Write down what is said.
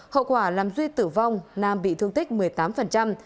hậu quả làm duy tử vong nam bị thương tích một mươi tám